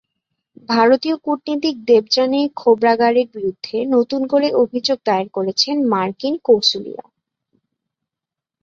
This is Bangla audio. ভারতীয় কূটনীতিক দেবযানি খোবরাগাড়ের বিরুদ্ধে নতুন করে অভিযোগ দায়ের করেছেন মার্কিন কৌঁসুলিরা।